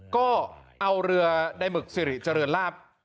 ก็เอาเรือได่มึงเสียวงเลาะ